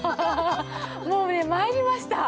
もうね参りました。